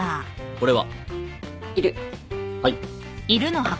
これは？